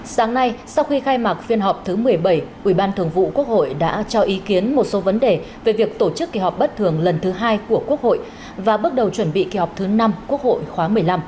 sáng nay sau khi khai mạc phiên họp thứ một mươi bảy ubthqh đã cho ý kiến một số vấn đề về việc tổ chức kỳ họp bất thường lần thứ hai của quốc hội và bước đầu chuẩn bị kỳ họp thứ năm quốc hội khóa một mươi năm